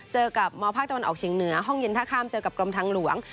เจอกับมพอเชียงเหนือห้องเย็นท่าข้ามเจอกับกรมทางหลวง